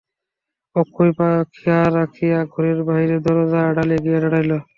অক্ষয় পাখা রাখিয়া ঘরের বাহিরে দরজার আড়ালে গিয়া দাঁড়াইল।